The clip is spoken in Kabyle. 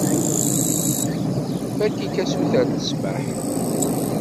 Fakk-ik asuter n ssmaḥ.